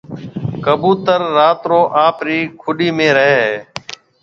ڪٻُوتر رات رو آپرِي کُوڏِي ۾ رهيَ هيَ۔